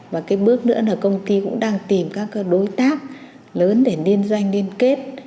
và cái bước nữa là công ty cũng đang tìm các đối tác lớn để liên doanh liên kết